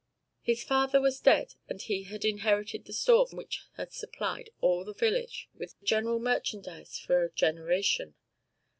His father was dead and he had inherited the store which had supplied the village with general merchandise for a generation.